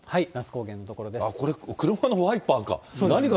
これ、車のワイパーか。